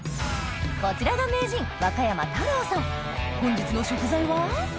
こちらが本日の食材は？